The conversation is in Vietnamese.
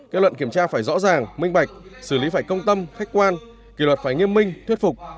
kết luận kiểm tra phải rõ ràng minh bạch xử lý phải công tâm khách quan kỳ luật phải nghiêm minh thuyết phục